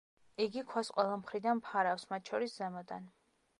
იგი ქვას ყველა მხრიდან ფარავს, მათ შორის ზემოდან.